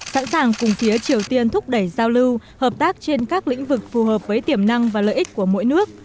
sẵn sàng cùng phía triều tiên thúc đẩy giao lưu hợp tác trên các lĩnh vực phù hợp với tiềm năng và lợi ích của mỗi nước